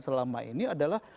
selama ini adalah